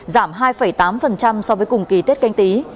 giảm hai tám so với cùng kỳ tết canh tí